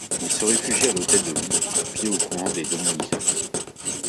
Il se réfugia à l'Hôtel de ville, puis au couvent des dominicains.